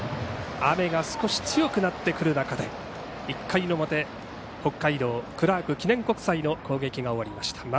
雨が少し強くなってくる中で１回の表、北海道クラーク記念国際の攻撃が終わりました。